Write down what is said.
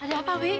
ada apa wih